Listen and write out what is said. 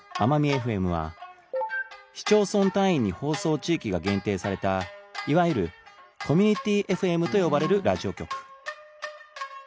エフエムは市町村単位に放送地域が限定されたいわゆるコミュニティ ＦＭ と呼ばれるラジオ局